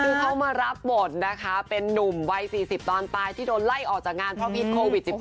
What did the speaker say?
คือเขามารับบทนะคะเป็นนุ่มวัย๔๐ตอนตายที่โดนไล่ออกจากงานเพราะพิษโควิด๑๙